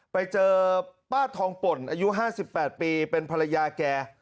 ไปเจอป้าทองป่นอายุ๕๘ปีเป็นภรรยาแก